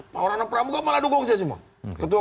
pak orang pramuka malah dukung saya semua